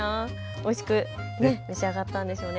おいしく召し上がったんでしょうね。